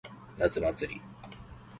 夏祭り。